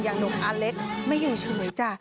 อย่างหนุ่มอเล็กไม่อยู่เฉยจ้ะ